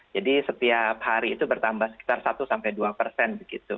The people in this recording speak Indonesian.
jadi setiap hari itu bertambah sekitar satu dua persen